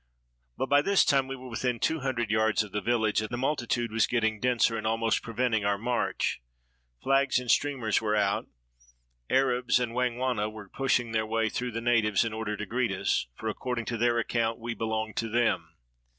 But by this time we were within two hundred yards of the village, and the multitude was getting denser, and almost preventing our march. Flags and streamers were out; Arabs and Wangwana were pushing their way through the natives in order to greet us, for, according to their account, we belonged to them.